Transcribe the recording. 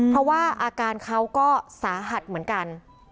เพราะว่าอาการเขาก็สาหัสเหมือนกัน